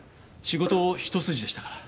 仕事一筋でしたから。